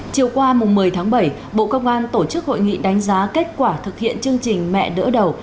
chiều qua một mươi tháng bảy bộ công an tổ chức hội nghị đánh giá kết quả thực hiện chương trình mẹ đỡ đầu